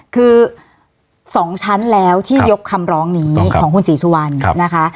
คือ๒ชั้นแล้วที่ยกคำร้องนี้ของคุณศรีสุวรรณนะคะ